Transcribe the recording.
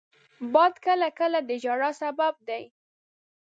باد کله کله د ژړا سبب دی